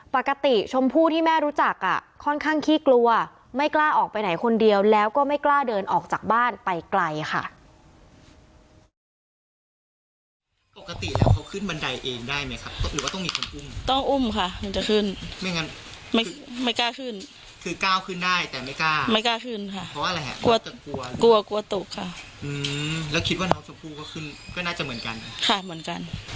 ชมพู่ที่แม่รู้จักค่อนข้างขี้กลัวไม่กล้าออกไปไหนคนเดียวแล้วก็ไม่กล้าเดินออกจากบ้านไปไกลค่ะ